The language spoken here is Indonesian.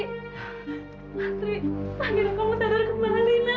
panggil komentar dari kembali nak